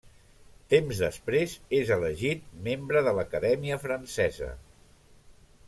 Temps després és elegit membre de l'Acadèmia Francesa.